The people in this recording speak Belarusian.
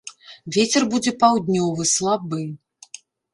Вецер будзе паўднёвы, слабы.